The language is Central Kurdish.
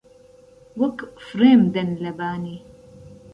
وەک فڕێم دەن لە بانی